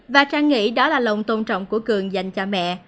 và trang nghĩ đó là lòng tôn trọng của cường dành cho mẹ